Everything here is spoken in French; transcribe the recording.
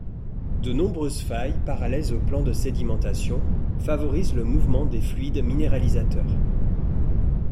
De nombreuses failles parallèles aux plans de sédimentation favorisent le mouvement des fluides minéralisateurs.